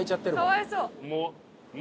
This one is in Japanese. かわいそう。